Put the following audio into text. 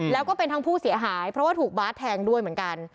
แล้วก็เป็นทั้งผู้เสียหายเพราะว่าถูกบาสแทงด้วยเหมือนกัน